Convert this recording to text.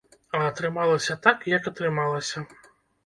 А атрымалася так, як атрымалася.